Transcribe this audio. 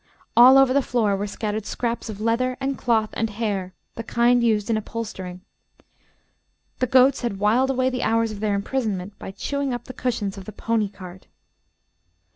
All over the floor were scattered scraps of leather and cloth and hair, the kind used in upholstering. The goats had whiled away the hours of their imprisonment by chewing up the cushions of the pony cart.